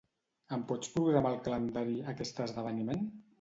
Em pots programar al calendari aquest esdeveniment?